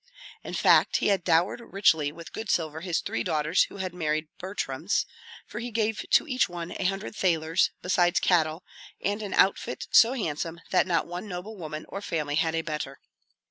In fact, he had dowered richly with good silver his three daughters who had married Butryms, for he gave to each one a hundred thalers, besides cattle, and an outfit so handsome that not one noble woman or family had a better.